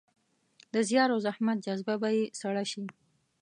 د زیار او زحمت جذبه به يې سړه شي.